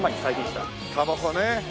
たばこね。